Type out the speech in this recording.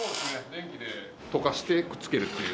電気で溶かしてくっつけるっていうような。